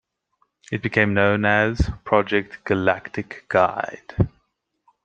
It became known as Project Galactic Guide.